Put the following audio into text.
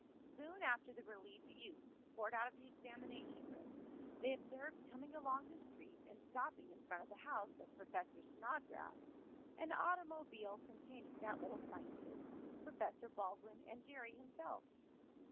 Soon after the relieved youths poured out of the examination room they observed, coming along the street and stopping in front of the house of Professor Snodgrass, an automobile containing that little scientist, Professor Baldwin and Jerry himself.